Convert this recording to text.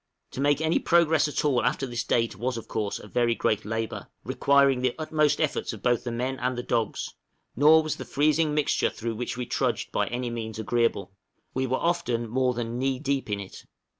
To make any progress at all after this date was of course a very great labor, requiring the utmost efforts of both the men and the dogs; nor was the freezing mixture through which we trudged by any means agreeable; we were often more than knee deep in it.